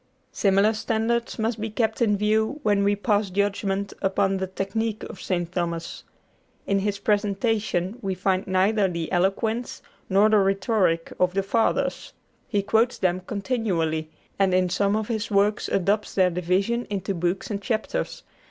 Similar standards must be kept in view when we pass judgment upon the technique of St. Thomas. In his presentation we find neither the eloquence nor the rhetoric of the Fathers. He quotes them continually, and in some of his works adopts their division into books and chapters.